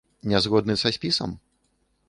Не згодны са спісам?